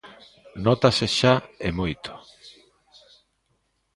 Nótase xa e moito.